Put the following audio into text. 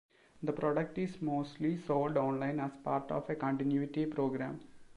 The product is mostly sold online as part of a continuity program.